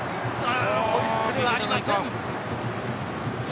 ホイッスルはありません。